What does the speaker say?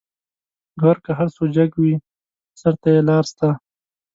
غر که هر څو جګ وي؛ سر ته یې لار سته.